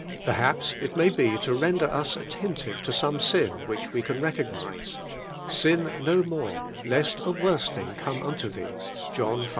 Perhaps it may i" to render us attentive to some sin which we can recognise; "Sin no more, lcsl ,i worse thing come into thee" (John v.